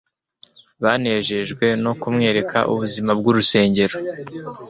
banejejwe no kumwereka ubwiza bw'urusengero!